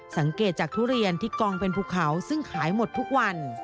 สังเกตจากทุเรียนที่กองเป็นภูเขาซึ่งขายหมดทุกวัน